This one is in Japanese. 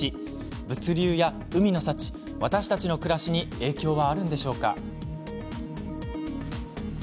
物流や海の幸、私たちの暮らしに影響はあるのでしょうか。